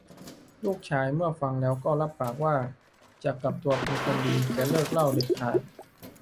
ลูกชายเมื่อฟังแล้วก็รับปากว่า จะกลับตัวเป็นคนดี จะเลิกเหล้าเด็ดขาด